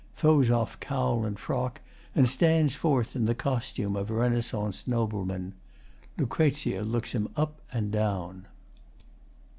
[Throws off cowl and frock, and stands forth in the costume of a Renaissance nobleman. LUCREZIA looks him up and down.